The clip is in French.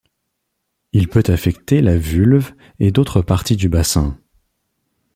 Il peut affecter la vulve et d'autres parties du bassin.